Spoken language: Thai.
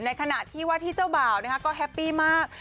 ขณะที่ว่าที่เจ้าบ่าวก็แฮปปี้มาก